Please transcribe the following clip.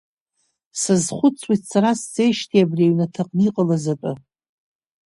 Сазхәыцуеит, сара сцеижьҭеи абри аҩнаҭаҟны иҟалаз атәы.